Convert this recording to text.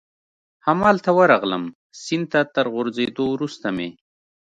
همالته ورغلم، سیند ته تر غورځېدو وروسته مې.